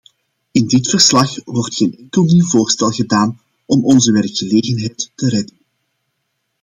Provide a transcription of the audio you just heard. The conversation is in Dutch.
In dit verslag wordt geen enkel nieuw voorstel gedaan om onze werkgelegenheid te redden.